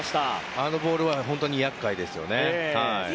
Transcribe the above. あのボールは本当に厄介ですね。